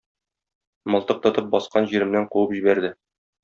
Мылтык тотып баскан җиремнән куып җибәрде.